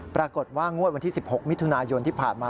ปรากฏว่างวดวันที่๑๖มิถุนายนที่ผ่านมา